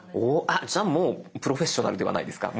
じゃあもうプロフェッショナルではないですか。